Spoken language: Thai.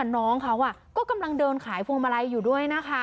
น้องเขาก็กำลังเดินขายพวงมาลัยอยู่ด้วยนะคะ